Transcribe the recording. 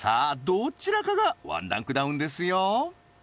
どちらかが１ランクダウンですよ